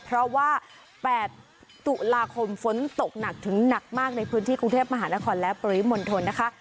เพราะว่า๘ตุลาคมฝนตกหนักถึงหนักมากในพื้นที่กรุงเทพมหานครและปริมณฑลนะคะ